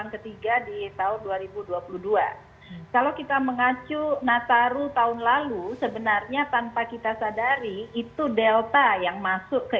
kalau kita mengacu nataru tahun lalu sebenarnya tanpa kita sadari itu delta yang masuk ke